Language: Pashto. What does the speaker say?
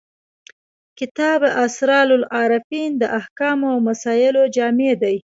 کتاب اسرار العارفین د احکامو او مسایلو جامع دی.